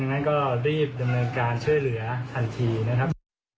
งั้นก็รีบดำเนินการช่วยเหลือทันทีนะครับ